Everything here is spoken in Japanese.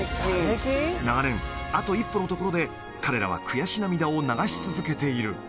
長年、あと一歩のところで、彼らは悔し涙を流し続けている。